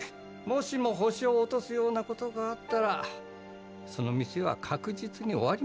「もしも星を落とすようなことがあったらその店は確実に終わりまっせ」